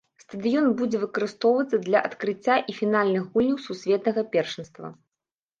Стадыён будзе выкарыстоўвацца для адкрыцця і фінальных гульняў сусветнага першынства.